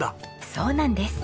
そうなんです。